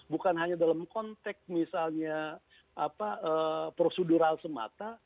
bukan hanya dalam konteks misalnya prosedural semata